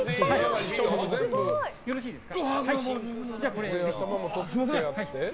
よろしいですか。